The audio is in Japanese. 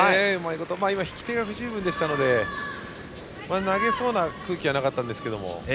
今のは引き手が不十分だったので投げそうな空気じゃなかったんですけど。